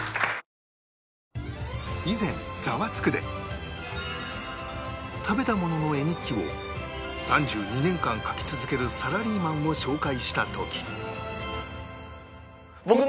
以前『ザワつく！』で食べたものの絵日記を３２年間描き続けるサラリーマンを紹介した時